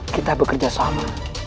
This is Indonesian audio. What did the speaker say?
kita bekerja sama